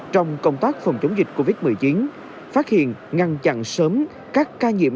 trong công tác phòng chống dịch covid một mươi chín phát hiện ngăn chặn sớm các ca nhiễm